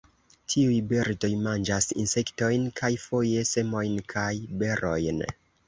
Tiuj birdoj manĝas insektojn kaj foje semojn kaj berojn.